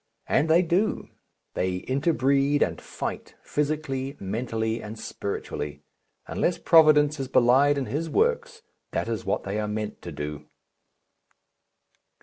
And they do. They inter breed and fight, physically, mentally, and spiritually. Unless Providence is belied in His works that is what they are meant to do.